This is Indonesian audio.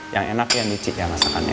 yang enak yang licik ya masakannya